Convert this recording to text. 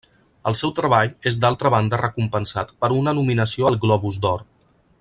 El seu treball és d'altra banda recompensat per una nominació al Globus d'Or.